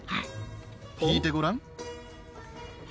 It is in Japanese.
引いてごらん。